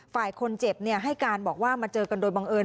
ฝ่ายคนเจ็บให้การบอกว่ามาเจอกันโดยบังเอิญ